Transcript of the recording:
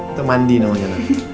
itu mandi namanya